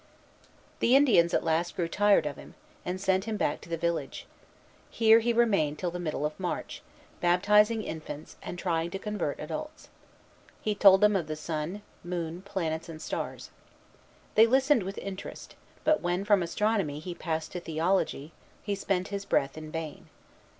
The Indians at last grew tired of him, and sent him back to the village. Here he remained till the middle of March, baptizing infants and trying to convert adults. He told them of the sun, moon, planets, and stars. They listened with interest; but when from astronomy he passed to theology, he spent his breath in vain.